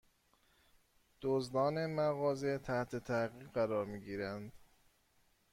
دزدان مغازه تحت تعقیب قرار می گیرند